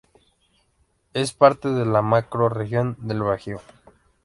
Es parte de la macro región del Bajío.